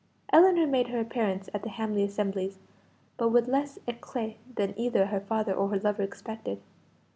Ellinor made her appearance at the Hamley assemblies, but with less eclat than either her father or her lover expected.